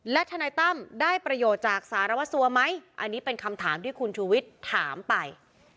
และทนายตั้มได้ประโยชน์จากสารวสัวไหมอันนี้เป็นคำถามที่คุณชูวิทย์ถามไป